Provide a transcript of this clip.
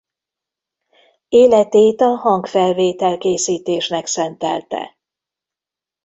Életét a hangfelvétel-készítésnek szentelte.